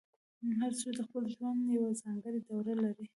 هر ستوری د خپل ژوند یوه ځانګړې دوره لري.